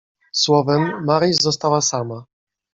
"Słowem, Maryś została sama."